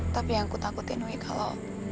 tapi yang aku takutin wuih kalo